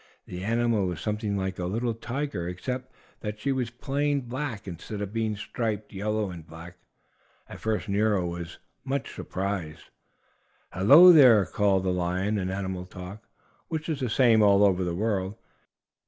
The animal was something like a little tiger, except that she was plain black instead of being striped yellow and black. At first Nero was much surprised. "Hello, there!" called the lion, in animal talk, which is the same all over the world.